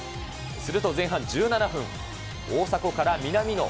すると前半１７分、大迫から南野。